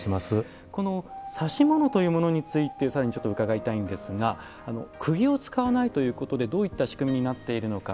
指物というものについてさらにちょっと伺いたいんですが釘を使わないということでどういった仕組みになっているのか。